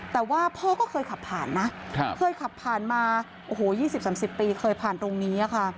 แต่ว่าพ่อก็เคยขับผ่านนะเคยขับผ่านมาโอ้โห๒๐๓๐ปีเคยผ่านตรงนี้ค่ะ